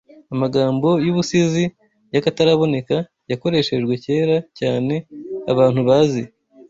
Amagambo y’ubusizi y’akataraboneka yakoreshejwe kera cyane abantu bazi